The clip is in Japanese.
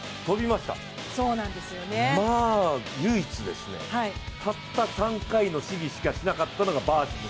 まあ、唯一、たった３回の試技しかしなかったのがバーシム。